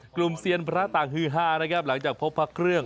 กลุ่มเสี่ยนพระศักดิ์ภรรยา๕หลังจากพบพระเครื่อง